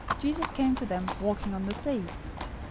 } Jesus came to them, walking on the sea.